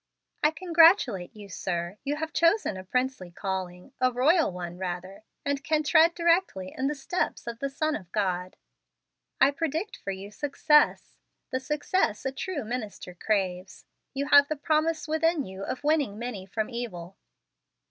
"I congratulate you, sir. You have chosen a princely calling, a royal one, rather, and can tread directly in the steps of the Son of God. I predict for you success, the success a true minister craves. You have the promise within you of winning many from evil."